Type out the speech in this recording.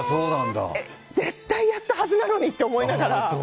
絶対やったはずなのにって思いながら。